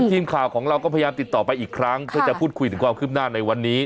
ทีมข่าวของเราก็พยายามติดต่อไปอีกครั้งเพื่อจะพูดคุยถึงความคืบหน้าในวันนี้